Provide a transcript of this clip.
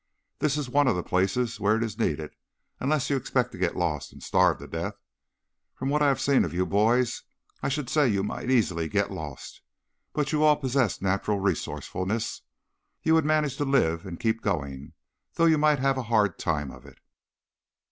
This is one of the places where it is needed unless you expect to get lost and starve to death. From what I have seen of you boys I should say you might easily get lost, but you all possess natural resourcefulness. You would manage to live and keep going, though you might have a hard time of it."